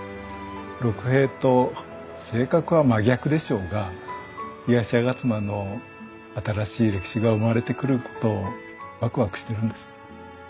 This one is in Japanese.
六平と性格は真逆でしょうが東吾妻の新しい歴史が生まれてくることをワクワクしてるんです。